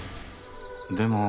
でも。